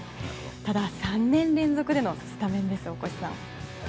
ただ、３年連続でのスタメンです大越さん。